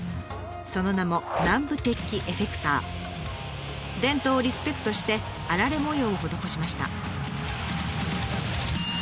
その名も伝統をリスペクトしてあられ模様を施しました。